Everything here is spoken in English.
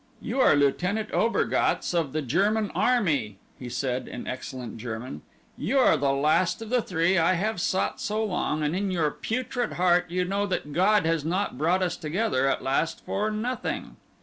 "You are Lieutenant Obergatz of the German Army," he said in excellent German. "You are the last of the three I have sought so long and in your putrid heart you know that God has not brought us together at last for nothing."